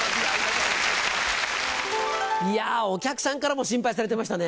いやお客さんからも心配されてましたね。